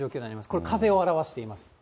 これは風を表しています。